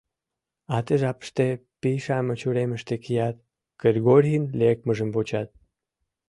А ты жапыште пий-шамыч уремыште кият, Кыргорийын лекмыжым вучат.